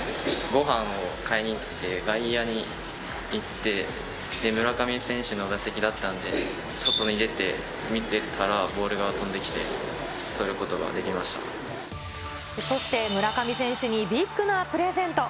ごはんを買いに行って、外野に行って、村上選手の打席だったんで、外に出て見てたら、ボールが飛んできて、そして村上選手にビッグなプレゼント。